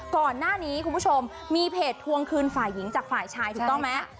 ก่อนหน้านี้คุณผู้ชมมีเพจทวงคืนฝ่ายหญิงจากฝ่ายชายถูกต้องไหม